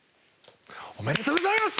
おめでとうございます！